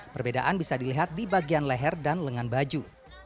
perbedaan bisa dilihat di bagian leher dan lengan baju